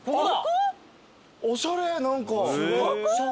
おしゃれ何か。